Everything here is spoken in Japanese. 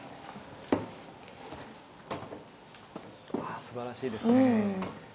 あすばらしいですね。